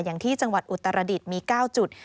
อย่างที่จังหวัดอุตรดิษฐ์มี๙จุด